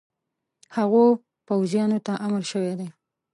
هغو پوځیانو ته امر شوی دی.